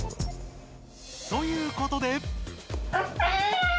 ということで。